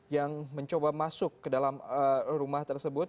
yang mencoba masuk ke dalam rumah tersebut